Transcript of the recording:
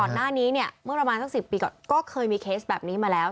หน้านี้เนี่ยเมื่อประมาณสัก๑๐ปีก่อนก็เคยมีเคสแบบนี้มาแล้ว